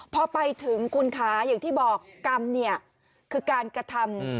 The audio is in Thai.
พอไปถึงคุณคะอย่างที่บอกกรรมเนี่ยคือการกระทำ